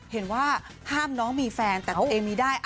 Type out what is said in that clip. เห็นว่าห้ามน้องมีแฟนแต่ตัวเองมีได้